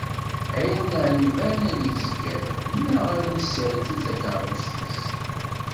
Ɛiwen aɛiban ad yezger, neɣ ad iserked takerrust-is.